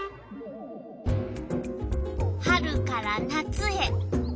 春から夏へ。